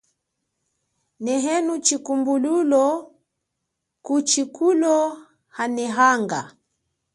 Nehenu chikumbululo ku chikulo anehanga.